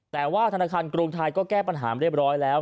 แต่ว่าธนาคารกรุงไทยก็แก้ปัญหาเรียบร้อยแล้ว